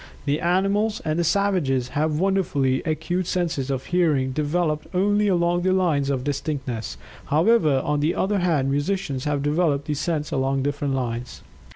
The animals and savages have wonderfully acute senses of Hearing developed only along the lines of distinctness, however on the other hand musicians have developed the sense along different lines.